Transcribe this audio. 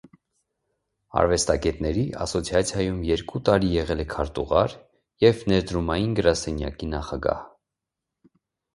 Արվեստագետների ասոցիացիայում երկու տարի եղել է քարտուղար և ներդրումային գրասենյակի նախագահ։